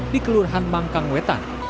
di kelurahan mangkang wetan